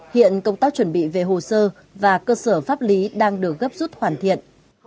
hiện công tác chuẩn bị về hồ sơ và cơ sở pháp lý đang được gấp rút hoàn thiện